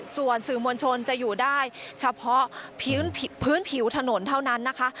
ส่วนสื่อมวลชนจะอยู่ได้เฉพาะพื้นผิวถนนเท่านั้นนะคะ